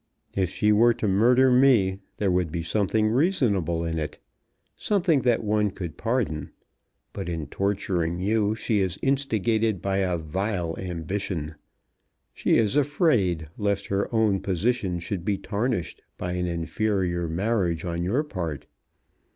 If she were to murder me there would be something reasonable in it, something that one could pardon; but in torturing you she is instigated by a vile ambition. She is afraid, lest her own position should be tarnished by an inferior marriage on your part.